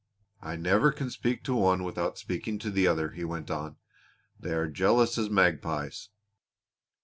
"I never can speak to one without speaking to the other," he went on. "They are jealous as magpies."